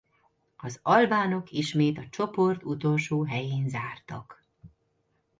Az albánok ismét a csoport utolsó helyén zártak.